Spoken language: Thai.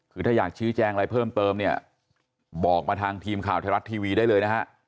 คือถ้าอยากชี้แจงอะไรเพิ่มเติมเนี่ยบอกมาทางทีมข่าวไทยรัฐทีวีได้เลยนะฮะ